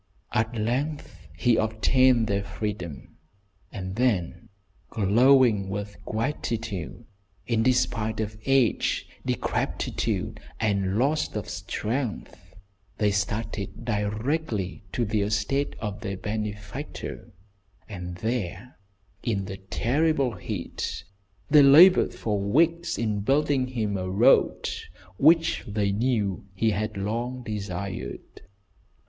At length he obtained their freedom, and then, glowing with gratitude, in despite of age, decrepitude, and loss of strength, they started directly for the estate of their benefactor, and there, in the terrible heat, they laboured for weeks in building him a road which they knew he had long desired.